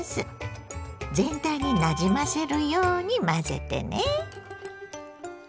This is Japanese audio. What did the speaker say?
全体になじませるように混ぜてね。